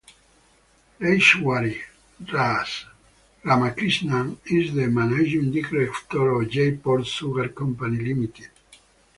Rajeswari Ramakrishnan, is the managing director of Jeypore Sugar Company Limited.